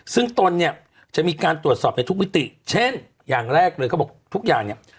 ซึ่งตนเนี่ยจะมีการตรวจสอบในทุกมิติเช่นอย่างแรกเลยเขาบอกทุกอย่างเนี่ย